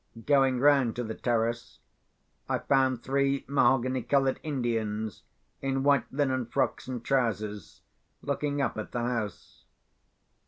Going round to the terrace, I found three mahogany coloured Indians, in white linen frocks and trousers, looking up at the house.